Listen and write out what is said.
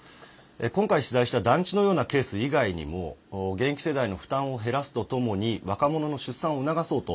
今回、取材した団地のようなケース以外にも現役世代の負担を減らすとともに若者の出産を促そうと